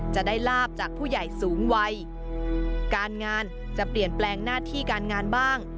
จะได้ลาบจากผู้ใหญ่สูงวัยการงานจะเปลี่ยนแปลงหน้าที่การงานบ้าง